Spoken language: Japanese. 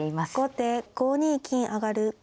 後手５二金上。